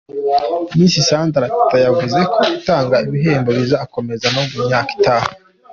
Miss Sandra Teta yavuze ko gutanga ibihembo bizakomeza no mu myaka itaha.